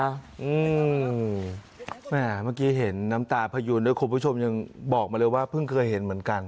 เมื่อกี้เห็นน้ำตาพยูนด้วยคุณผู้ชมยังบอกมาเลยว่าเพิ่งเคยเห็นเหมือนกัน